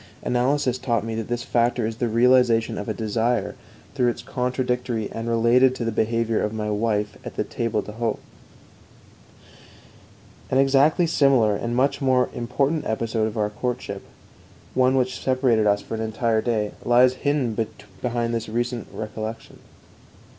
Analysis taught me that this factor is the realization of a desire through its contradictory and related to the behavior of my wife at the table d'hôte. An exactly similar and much more important episode of our courtship, one which separated us for an entire day, lies hidden behind this recent recollection.